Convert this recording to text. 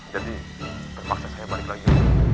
jadi terpaksa saya balik lagi